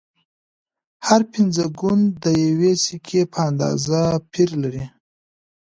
هر پنځه ګون د یوې سکې په اندازه پیر لري